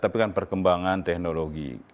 tapi kan perkembangan teknologi